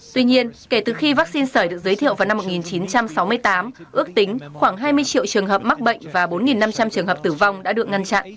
tuy nhiên kể từ khi vaccine sởi được giới thiệu vào năm một nghìn chín trăm sáu mươi tám ước tính khoảng hai mươi triệu trường hợp mắc bệnh và bốn năm trăm linh trường hợp tử vong đã được ngăn chặn